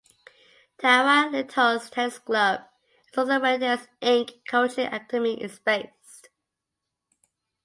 Tawa-Lyndhurst Tennis Club is also where Tennis Inc coaching academy is based.